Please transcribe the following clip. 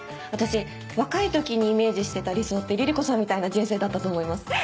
私若い時にイメージしてた理想って凛々子さんみたいな人生だったと思います。